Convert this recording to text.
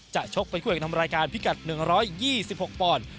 ชกเป็นคู่เอกทำรายการพิกัด๑๒๖ปอนด์